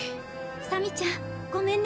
さみちゃんごめんね。